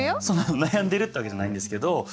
そんな悩んでるってわけじゃないんですけど。